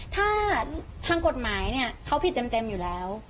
ถ้าทางกฎหมายเนี่ยเขาผิดเต็มอยู่แล้ว